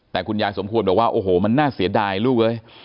แต่คุณยายสมควรบอกว่าโอ้โหมันน่าเสียดายลูกเอ้ย